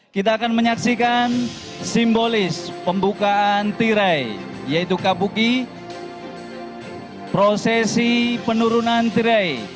kita akan menyaksikan simbolis pembukaan tirai yaitu kabuki prosesi penurunan tirai